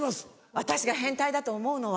私が変態だと思うのは。